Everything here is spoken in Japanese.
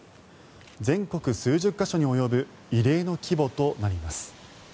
全国数十か所に及ぶ異例の規模となります。